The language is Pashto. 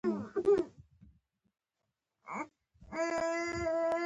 د دره صوف سکاره څومره حرارت لري؟